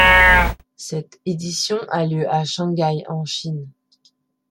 Cette édition a lieu à Shangai, en Chine.